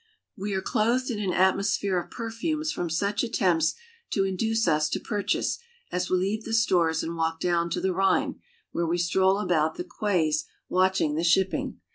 We are clothed in an atmosphere of perfumes from such attempts to induce us to purchase, as we leave the stores and walk down to the Rhine, where we stroll about the quays watching the shipping.